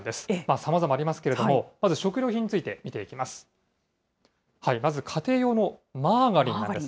さまざまありますけれども、まず食料品について見ていきます。